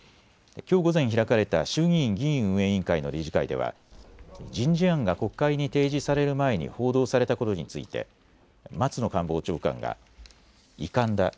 きょう午前開かれた衆議院議員運営委員会の理事会では人事案が国会に提示される前に報道されたことについて松野官房長官が遺憾だ。